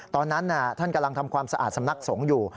ตอนนั้นท่านกำลังทำความสะอาดสำนักสงฆ์อยู่